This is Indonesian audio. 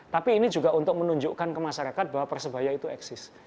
tapi ini juga untuk menunjukkan ke masyarakat bahwa persebaya itu eksis